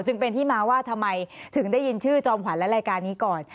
จึงเป็นที่มาว่าทำไมถึงได้ยินชื่อจอมขวัญและรายการนี้ก่อน